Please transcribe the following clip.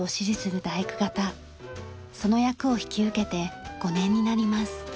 その役を引き受けて５年になります。